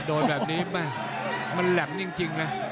โดนแบบนี้แม่มันแหลมจริงนะ